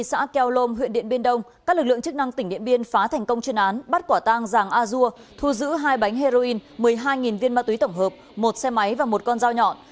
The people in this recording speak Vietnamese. xã keom huyện điện biên đông các lực lượng chức năng tỉnh điện biên phá thành công chuyên án bắt quả tang giàng a dua thu giữ hai bánh heroin một mươi hai viên ma túy tổng hợp một xe máy và một con dao nhọn